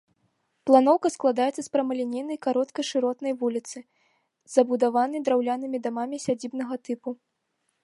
Планоўка складаецца з прамалінейнай кароткай шыротнай вуліцы, забудаванай драўлянымі дамамі сядзібнага тыпу.